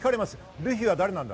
ルフィは誰なんだ？